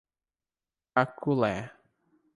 Caculé